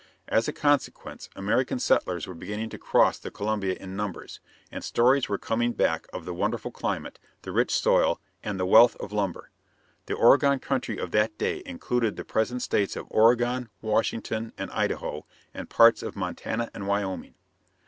As a consequence, American settlers were beginning to cross the Columbia in numbers, and stories were coming back of the wonderful climate, the rich soil, and the wealth of lumber. The Oregon Country of that day included the present states of Oregon, Washington, and Idaho, and parts of Montana and Wyoming.